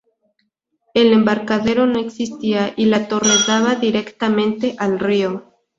El embarcadero no existía, y la torre daba directamente al río.